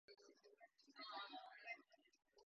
指導する時、指導される人の熟練度に応じて内容を調整する